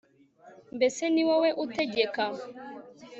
mbese ni wowe utegeka